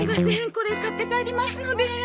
これ買って帰りますので。